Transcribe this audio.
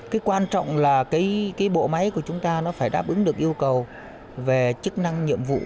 cái quan trọng là cái bộ máy của chúng ta nó phải đáp ứng được yêu cầu về chức năng nhiệm vụ